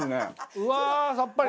うわーさっぱり！